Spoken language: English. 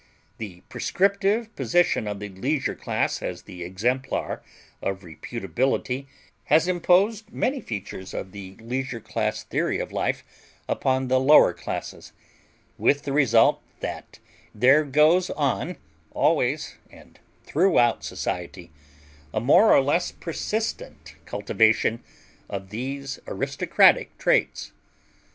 The prescriptive position of the leisure class as the exemplar of reputability has imposed many features of the leisure class theory of life upon the lower classes; with the result that there goes on, always and throughout society, a more or less persistent cultivation of these aristocratic traits.